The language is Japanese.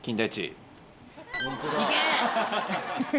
行け！